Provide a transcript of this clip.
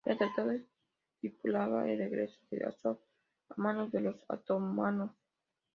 El tratado estipulaba el regreso de Azov a manos de los otomanos.